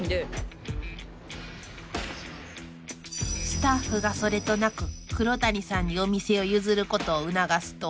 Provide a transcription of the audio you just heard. ［スタッフがそれとなく黒谷さんにお店を譲ることを促すと］